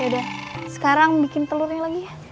udah sekarang bikin telurnya lagi ya